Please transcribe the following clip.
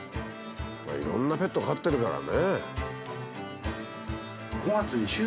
まあいろんなペット飼ってるからね。